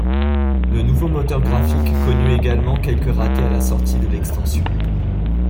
Le nouveau moteur graphique connut également quelques ratés à la sortie de l'extension.